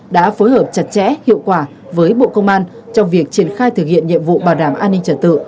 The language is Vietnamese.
đã phối hợp chặt chẽ hiệu quả với bộ công an trong việc triển khai thực hiện nhiệm vụ bảo đảm an ninh trật tự